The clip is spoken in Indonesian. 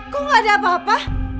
kok gak ada apa apa